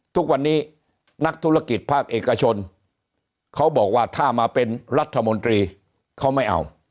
ทุกวันนี้นักธุรกิจภาคเอกชนเขาบอกว่าถ้ามาเป็นรัฐมนตรีเขาไม่เอา